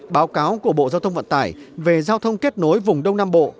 báo cáo của bộ giao thông vận tải về giao thông kết nối vùng đông nam bộ